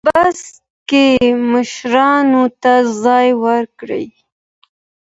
په بس کې مشرانو ته ځای ورکړئ.